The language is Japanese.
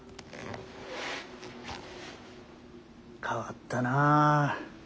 変わったなあ。